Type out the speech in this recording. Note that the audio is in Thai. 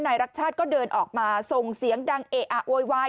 รักชาติก็เดินออกมาส่งเสียงดังเอะอะโวยวาย